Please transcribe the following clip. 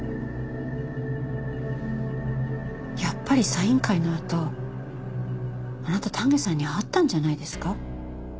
やっぱりサイン会のあとあなた丹下さんに会ったんじゃないですか？